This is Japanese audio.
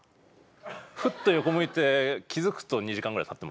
ふっと横向いて気付くと２時間ぐらいたってますよね。